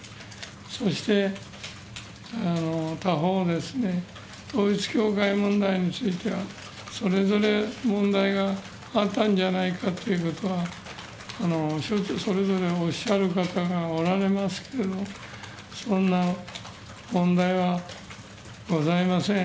そして他方ですね、統一教会問題についてはそれぞれ問題があったんじゃないかということは、ちょっとそれぞれおっしゃる方がおられますけれども、そんな問題はございません。